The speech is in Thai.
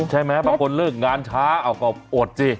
ใช่ไหมบางคนเลิกงานช้าเอาก็อดสิ